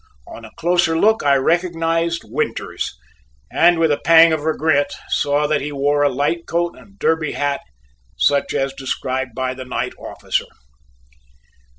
On a closer look I recognized Winters and with a pang of regret saw that he wore a light coat and derby hat such as described by the night officer.